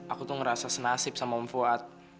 aku tuh ngerasa senasib sama om fuad